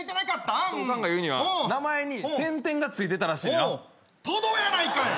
オカンが言うには名前に点々がついてたらしいなトドやないかい！